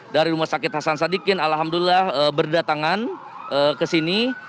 dari rumah sakit hasan sadikin alhamdulillah berdatangan ke sini